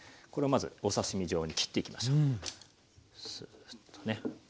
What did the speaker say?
これをまずお刺身状に切っていきましょう。